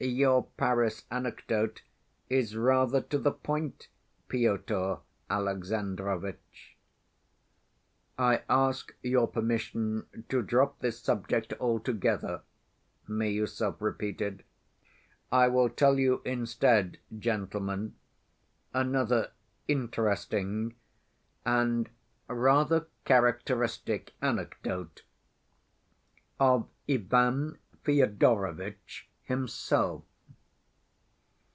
Your Paris anecdote is rather to the point, Pyotr Alexandrovitch." "I ask your permission to drop this subject altogether," Miüsov repeated. "I will tell you instead, gentlemen, another interesting and rather characteristic anecdote of Ivan Fyodorovitch himself.